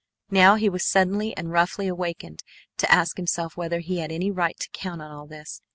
Now he was suddenly and roughly awakened to ask himself whether he had any right to count on all this.